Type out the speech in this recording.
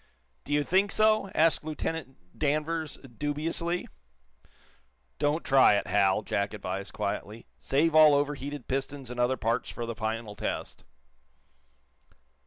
"Do you think so?" asked Lieutenant Danvers, dubiously. "Don't try it, Hal," Jack advised, quietly. "Save all overheated pistons and other parts for the final test."